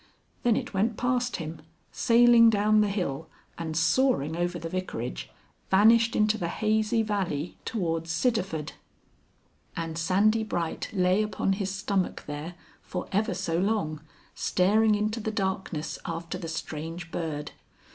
Then it went past him, sailing down the hill, and, soaring over the vicarage, vanished into the hazy valley towards Sidderford. And Sandy Bright lay upon his stomach there, for ever so long, staring into the darkness after the strange bird.